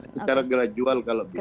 secara gradual kalau bisa